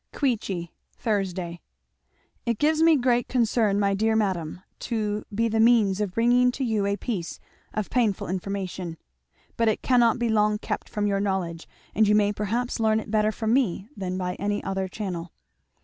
"Queechy, Thursday "It gives me great concern, my dear madam, to be the means of bringing to you a piece of painful information but it cannot be long kept from your knowledge and you may perhaps learn it better from me than by any other channel.